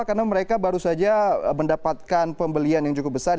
karena mereka baru saja mendapatkan pembelian yang cukup besar